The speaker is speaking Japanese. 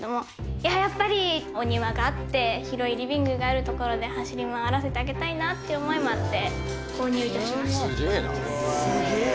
いややっぱりお庭があって広いリビングがあるところで走り回らせてあげたいなって思いもあって。